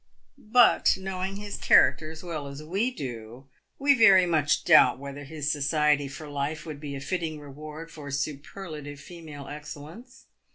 But, knowing his character as well as we do, we very much doubt whether his society for life would be a fitting reward for superlative female excellence.